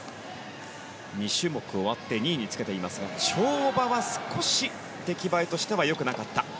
２種目終わって２位につけていますが跳馬は少し出来栄えとしては良くなかった。